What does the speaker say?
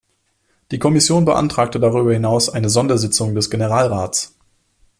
Die Kommission beantragte darüber hinaus eine Sondersitzung des Generalrats.